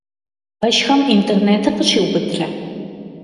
Пэшхэм интернетыр къыщиубыдрэ?